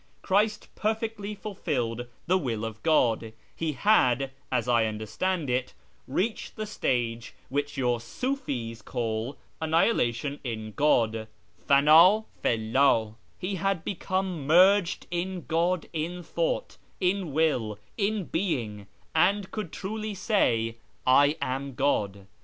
Christ perfectly fulfilled the will of God ; He had — as I understand it — reached the stage which your Siifi's call ' annihilation in God ' (yfcnd filWi) ; He had become merged in God in thought, in will, in being, and could Ijsay truly, ' I am God.'